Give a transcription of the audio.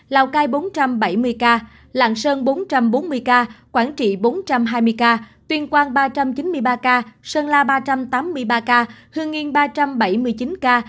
lào cai bốn trăm bảy mươi ca lạng sơn bốn trăm bốn mươi ca quảng trị bốn trăm hai mươi ca tuyên quang ba trăm chín mươi ba ca sơn la ba trăm tám mươi ba ca hương yên ba trăm bảy mươi chín ca